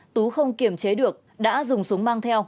tú không kiểm chế được đã dùng súng mang theo